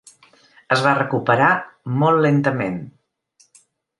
Es va recuperar molt lentament.